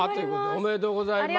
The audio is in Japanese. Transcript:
おめでとうございます。